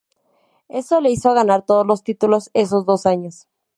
Eso le hizo ganar todos los títulos esos dos años.